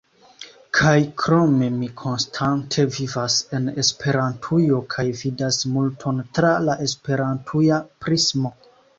Kaj krome, mi konstante vivas en Esperantujo kaj vidas multon tra la esperantuja prismo.